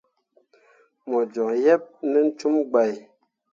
Mo joŋ yeb nen cum gǝǝai.